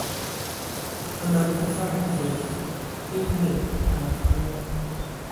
A mana hm fad mǝbǝl, nnye a akǝ nyɔ.